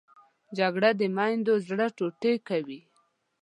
جګړه د میندو زړه ټوټې کوي